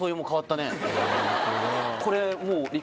これもう。